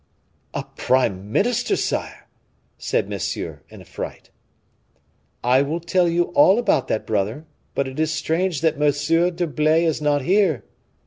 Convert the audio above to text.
"A prime minister, sire?" said Monsieur, in a fright. "I will tell you all about that, brother; but it is strange that M. d'Herblay is not here!"